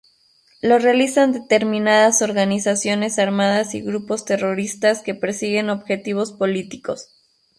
Lo realizan determinadas organizaciones armadas y grupos terroristas que persiguen objetivos políticos.